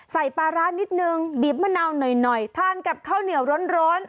ปลาร้านิดนึงบีบมะนาวหน่อยทานกับข้าวเหนียวร้อน